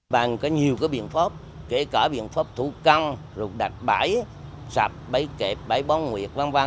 bà có nhiều biện pháp kể cả biện pháp thu căng đặt bãi sạp bãi kẹp bãi bóng nguyệt v v